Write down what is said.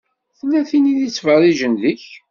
Tella tin i d-ittfeṛṛiǧen deg-k.